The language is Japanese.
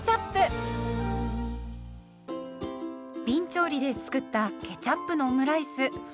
びん調理で作ったケチャップのオムライス。